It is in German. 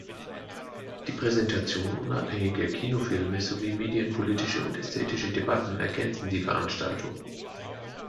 Die Präsentation unabhängiger Kinofilme sowie medienpolitische und -ästhetische Debatten ergänzen die Veranstaltung.